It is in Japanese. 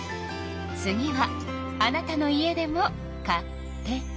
次はあなたの家でも「カテイカ」。